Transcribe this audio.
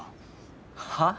はあ？